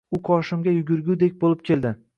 U qoshimga yugurgudek boʻlib keldi